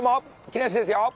木梨ですよ！